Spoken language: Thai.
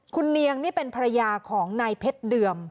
คุณเนียงนี่เป็นภรรยาของนายเพชรเดิม